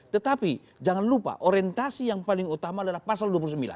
tetapi jangan lupa orientasi yang paling utama adalah pasal dua puluh sembilan